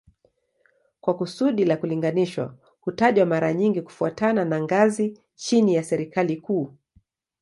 Kwa kusudi la kulinganisha hutajwa mara nyingi kufuatana na ngazi chini ya serikali kuu